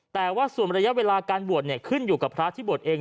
แต่ว่าส่วนระยะเวลาการบวชขึ้นอยู่กับพระที่บวชเอง